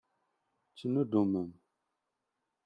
Ttnuddumen.